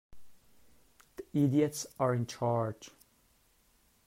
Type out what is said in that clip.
The idiots are in charge.